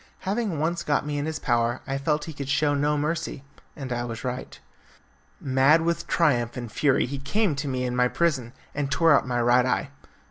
Having once got me in his power I felt he could show no mercy, and I was right. Mad with triumph and fury he came to me in my prison and tore out my right eye.